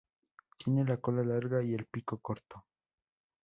Tiene la cola larga y el pico corto.